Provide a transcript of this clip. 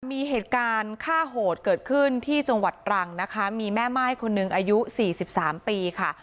มีเหตุการณ์ฆ่าโหดเกิดขึ้นที่จังหวัดตรังนะคะมีแม่ม่ายคนหนึ่งอายุสี่สิบสามปีค่ะ